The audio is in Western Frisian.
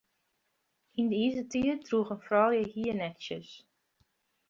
Yn de Izertiid droegen froulju hiernetsjes.